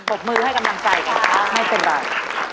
ปกมือให้กำลังใจค่ะให้เป็นแบบ